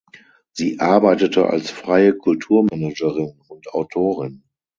Sie arbeitete als freie Kulturmanagerin und Autorin.